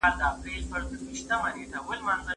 مرغۍ د مڼې له یوه ښاخ نه بل ته الوتله.